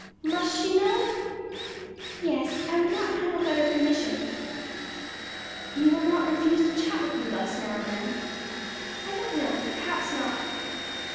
"Must she know?" "Yes. I would not come without her permission." "You will not refuse to chat with me thus now and then?" "I don't know. Perhaps not."